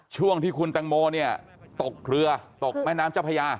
ช่วงที่คุณตังโมเนี่ยตกเรือตกแม่น้ำเจ้าพญา